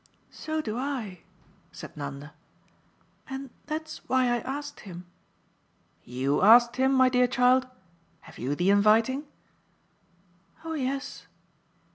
"So do I," said Nanda "and that's why I asked him." "YOU asked him, my dear child? Have you the inviting?" "Oh yes."